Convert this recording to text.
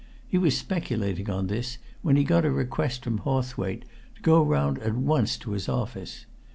He was speculating on this when he got a request from Hawthwaite to go round at once to his office.